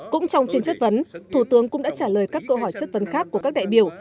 cũng trong phiên chất vấn thủ tướng cũng đã trả lời các câu hỏi chất vấn khác của các đại biểu